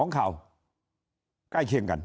ข่าวใกล้เคียงกัน